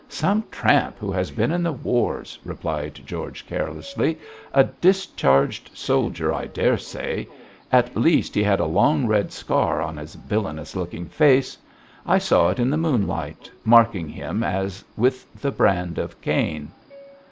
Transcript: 'Some tramp who had been in the wars,' replied George, carelessly; 'a discharged soldier, I daresay. At least, he had a long red scar on his villainous looking face. I saw it in the moonlight, marking him as with the brand of Cain.'